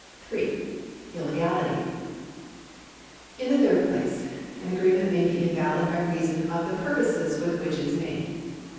3. Illegality. In the third place an agreement may be invalid by reason of the purposes with which it is made.